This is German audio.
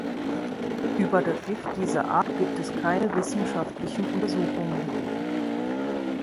Über das Gift dieser Art gibt es keine wissenschaftlichen Untersuchungen.